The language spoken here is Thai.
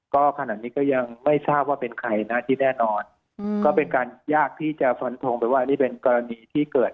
ก็ขนาดนี้ก็ยังไม่ทราบว่าเป็นใครนะที่แน่นอนก็เป็นการยากที่จะฟันทงไปว่านี่เป็นกรณีที่เกิด